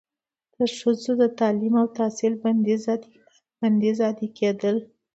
د ښځو تعلیم او تحصیل بندیز عادي کیدل